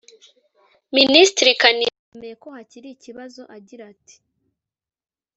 Minisitiri Kanimba yemeye ko hakiri ikibazo agira ati